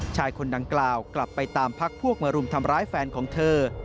ชายคนดังกล่าวกลับไปตามพักพวกมารุมทำร้ายแฟนของเธอ